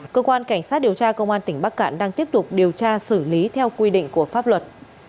cơ quan cảnh sát điều tra công an tỉnh bắc cạn đang tiếp tục điều tra xử lý theo quy định của pháp luật